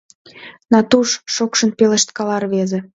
Натуш... — шокшын пелешткала рвезе.